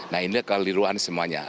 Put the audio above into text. nah ini keliruan semuanya